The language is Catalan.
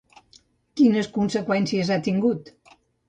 Quines conseqüències ha tingut?